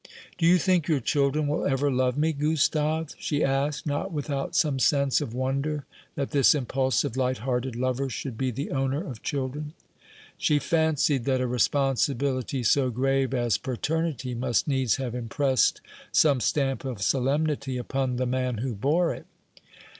"Do you think your children will ever love me, Gustave?" she asked, not without some sense of wonder that this impulsive light hearted lover should be the owner of children. She fancied that a responsibility so grave as paternity must needs have impressed some stamp of solemnity upon the man who bore it.